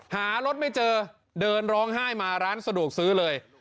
หารถไม่เจอเดินร้องไห้มาร้านสะดวกซื้อเลย